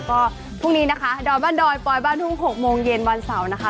ก็พรุ่งนี้นะคะดอยบ้านดอยปลอยบ้านทุ่ง๖โมงเย็นวันเสาร์นะคะ